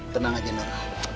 tenang aja nur